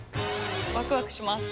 ワクワクします。